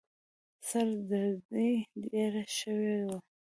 سر دردي يې ډېره شوې وه.